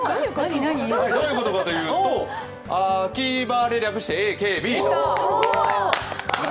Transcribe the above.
どういうことかというと、あきばれ略してＡＫＢ。